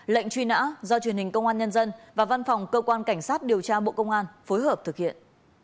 lệnh truy nã do truyền hình công an nhân dân và văn phòng cơ quan cảnh sát điều tra bộ công an phối hợp thực hiện